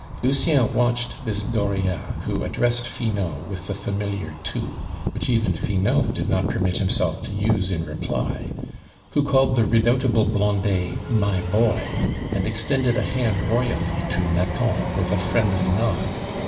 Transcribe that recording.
Lucien watched this Dauriat, who addressed Finot with the familiar tu, which even Finot did not permit himself to use in reply; who called the redoubtable Blondet "my boy," and extended a hand royally to Nathan with a friendly nod.